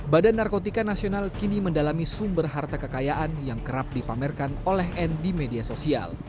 badan narkotika nasional kini mendalami sumber harta kekayaan yang kerap dipamerkan oleh n di media sosial